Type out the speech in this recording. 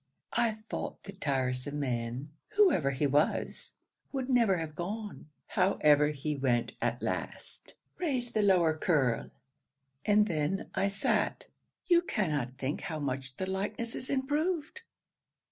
I thought the tiresome man, whoever he was, would never have gone; however he went at last [raise the lower curl] and then I sot. You cannot think how much the likeness is improved!